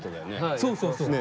そうそうそう。